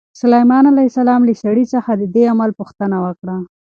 سلیمان علیه السلام له سړي څخه د دې عمل پوښتنه وکړه.